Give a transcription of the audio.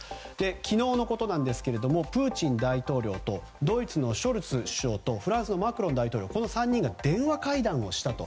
昨日のことなんですがプーチン大統領とドイツのショルツ首相とフランスのマクロン大統領の３人が電話会談をしたと。